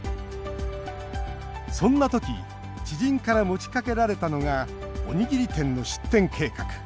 そんな時知人から持ちかけられたのがおにぎり店の出店計画。